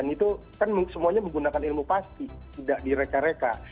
itu kan semuanya menggunakan ilmu pasti tidak direka reka